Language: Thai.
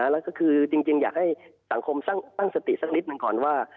แล้วก็คือจริงอยากให้สังคมตั้งสติสักนิดหนึ่งก่อนว่า